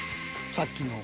さっきの。